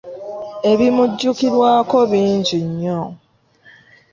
Ebimujjukirwako bing nnyo.